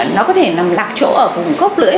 nó có thể nằm lạc chỗ ở phần gốc lưỡi